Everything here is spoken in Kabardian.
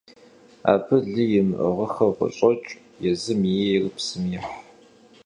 Абы лы имыӀыгъыххэу къыщӀокӀ, езым ейр псым ехь.